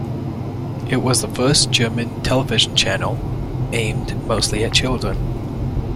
It was the first German television channel aimed mostly at children.